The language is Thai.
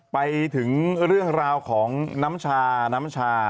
ไปถึงเรื่องราวของน้ำชาน้ำชา